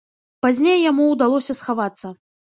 Пазней яму ўдалося схавацца.